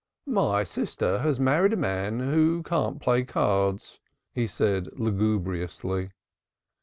"My sister has married a man who can't play cards," he said lugubriously.